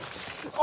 あ！